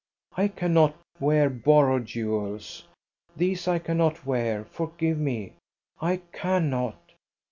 I cannot wear borrowed jewels. These I cannot wear. Forgive me, I cannot.